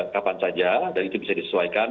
kapan saja dan itu bisa disesuaikan